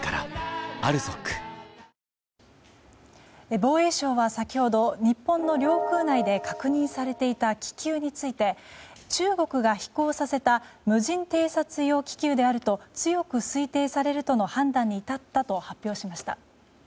防衛省は先ほど日本の領空内で確認されていた気球について中国が飛行させた無人偵察用気球であると強く推定されるとの判断に至ったと発表しました。